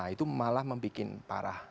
itu malah membuat parah